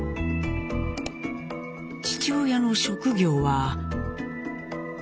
父親の職業は？